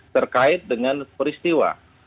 terkait dengan peristiwa